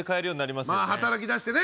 まあ働きだしてね